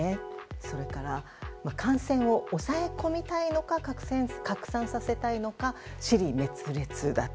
それから感染を抑え込みたいのか拡散させたいのか支離滅裂だと。